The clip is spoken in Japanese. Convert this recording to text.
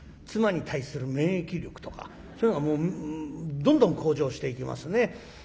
妻に対する免疫力とかそういうのがどんどん向上していきますね。